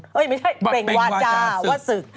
ไม่ใช่เปล่งวาจาว่าศึก